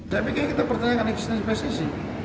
saya pikir kita pertanyaan eksistensi pssi